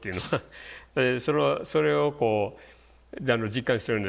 それをこう実感してるんで。